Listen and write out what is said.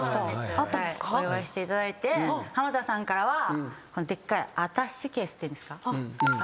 お祝いしていただいて浜田さんからはでっかいアタッシェケースっていうんですか？